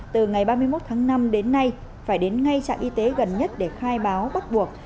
từ ngày ba mươi một tháng năm đến nay phải đến ngay trạm y tế gần nhất để khai báo bắt buộc